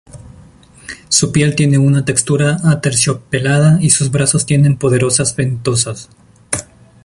Su piel tiene una textura aterciopelada y sus brazos tienen poderosas ventosas.